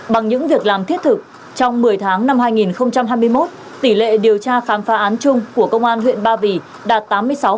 bằng những việc làm thiết thực trong một mươi tháng năm hai nghìn hai mươi một tỷ lệ điều tra khám phá án chung của công an huyện ba vì đạt tám mươi sáu